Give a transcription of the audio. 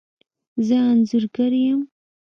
زه انځورګر یم